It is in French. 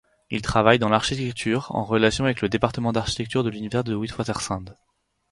Il travaille dans l'architecture en relation avec le Département d'architecture de l'Université du Witwatersrand.